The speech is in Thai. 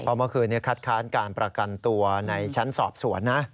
เพราะเมื่อคืนนี้คัดค้านการประกันตัวในชั้นสอบสวนนะ